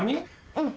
うん。